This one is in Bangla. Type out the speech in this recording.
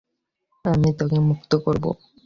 আমি তোকে মুক্ত করব।